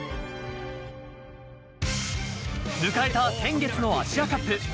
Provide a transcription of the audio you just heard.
迎えた先月のアジアカップ。